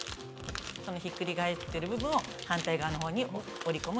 ひっくり返ってる部分を反対側のほうに折り込む。